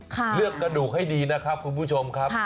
เลือกกระดูกให้ดีนะครับคุณผู้ชมครับ